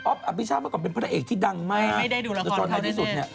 ออฟอฟิชาปะก่อนเป็นพระเอกที่ดังมาก